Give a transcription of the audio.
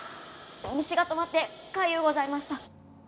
虫がとまってかゆうございました。